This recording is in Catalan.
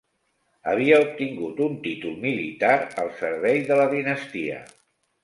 Havia obtingut un títol militar al servei de la dinastia.